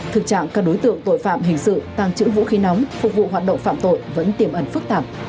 thực trạng các đối tượng tội phạm hình sự tàng trữ vũ khí nóng phục vụ hoạt động phạm tội vẫn tiềm ẩn phức tạp